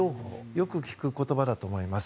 よく聞く言葉だと思います。